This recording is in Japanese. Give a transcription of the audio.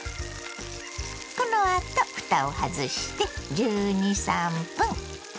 このあとふたを外して１２１３分。